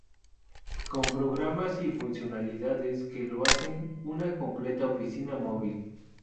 Con programas y funcionalidades que lo hacen una completa oficina móvil.